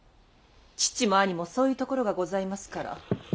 父も兄もそういうところがございますから。